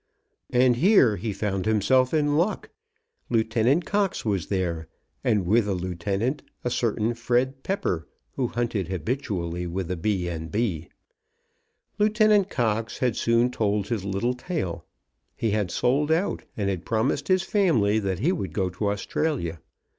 And here he found himself in luck. Lieutenant Cox was there, and with the lieutenant a certain Fred Pepper, who hunted habitually with the B. and B. Lieutenant Cox had soon told his little tale. He had sold out, and had promised his family that he would go to Australia.